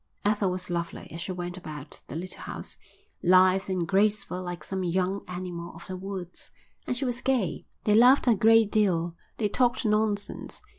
Ethel was lovely as she went about the little house, lithe and graceful like some young animal of the woods, and she was gay. They laughed a great deal. They talked nonsense.